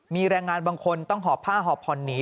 มีแรงงานบางคนต้องหอบผ้าหอบผ่อนหนี